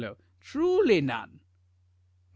Truly none. 3fal.